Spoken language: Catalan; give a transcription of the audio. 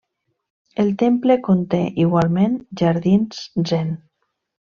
El temple conté igualment jardins zen.